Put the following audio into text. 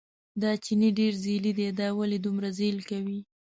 دا چیني ډېر ځېلی دی، دا ولې دومره ځېل کوي.